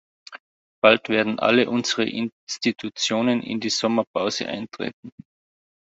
Bald werden alle unsere Institutionen in die Sommerpause eintreten.